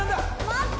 待って！